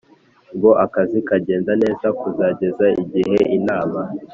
ngo akazi kagende neza kuzageza igihe Inama